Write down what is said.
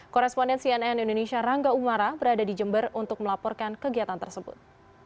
koresponden cnn indonesia rangga umara berada di jember untuk melaporkan kegiatan tersebut